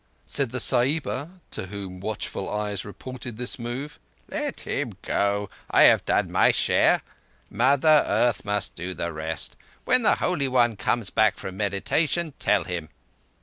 Said the Sahiba, to whom watchful eyes reported this move: "Let him go. I have done my share. Mother Earth must do the rest. When the Holy One comes back from meditation, tell him."